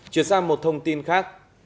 chuyển sang một thông tin khác